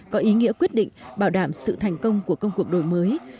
có ý nghĩa quyết định bảo đảm sự thành công của công cuộc đổi mới